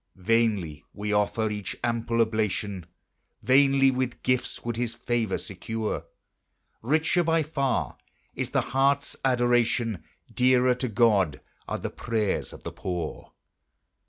Vainly we offer each ample oblation, Vainly with gifts would his favor secure; Richer by far is the heart's adoration, Dearer to God are the prayers of the poor.